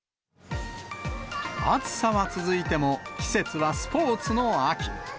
暑さは続いても、季節はスポーツの秋。